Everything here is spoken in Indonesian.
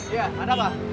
iya ada pak